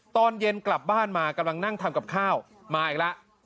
ตอนเย็นกลับบ้านมากำลังนั่งทำกับข้าวมาอีกแล้ว